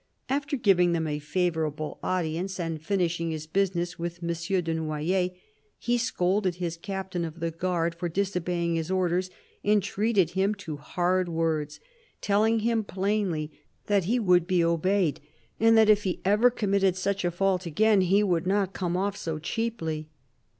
After giving them a favourable audience, and finish ing his business with M. de Noyers, he scolded his captain of the guard for disobeying his orders, and treated him to hard words, telling him plainly that he would be obeyed, and that if he ever committed such a fault again, he would not come off so cheaply.